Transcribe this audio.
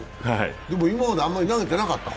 今まであまり投げてなかった？